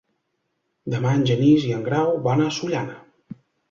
Demà en Genís i en Grau van a Sollana.